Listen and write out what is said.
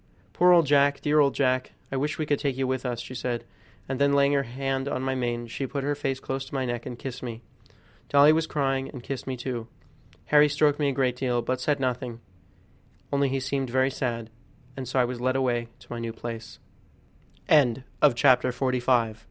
"Poor old Jack! dear old Jack! I wish we could take you with us," she said, and then laying her hand on my mane she put her face close to my neck and kissed me. Dolly was crying and kissed me too. Harry stroked me a great deal, but said nothing, only he seemed very sad, and so I wa